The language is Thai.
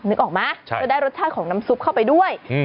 นึกออกไหมจะได้รสชาติของน้ำซุปเข้าไปด้วย